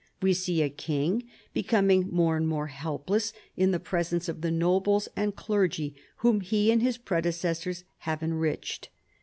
We see a king becoming more and more helpless in the presence of the nobles and clergy whom he and his predecessors have enriched.